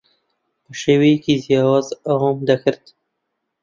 بە شێوەیەکی جیاواز ئەوەم دەکرد.